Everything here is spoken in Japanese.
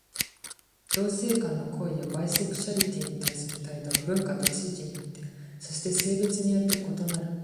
同性間の行為やバイセクシャリティに対する態度は、文化と地域によって、そして性別によって異なる。